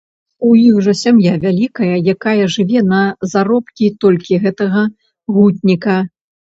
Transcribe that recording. У іх жа сям'я вялікая, якая жыве на заработкі толькі гэтага гутніка.